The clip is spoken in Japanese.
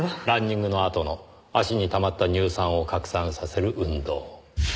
ランニングのあとの足にたまった乳酸を拡散させる運動。